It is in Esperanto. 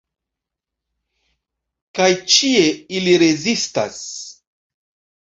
Kaj ĉie ili rezistas.